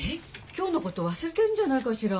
今日のこと忘れてるんじゃないかしら？